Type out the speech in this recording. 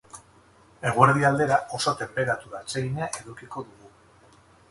Eguerdi aldera oso tenperatura atsegina edukiko dugu.